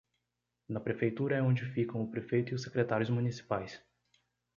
Na prefeitura é onde ficam o prefeito e os secretários municipais